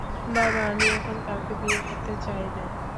বাবা, আমি এখন কাউকে বিয়ে করতে চাই না।